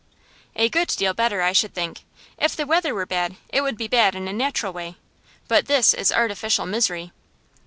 'A good deal better, I should think. If the weather were bad, it would be bad in a natural way; but this is artificial misery.